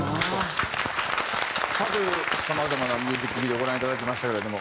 というさまざまなミュージックビデオをご覧いただきましたけれども。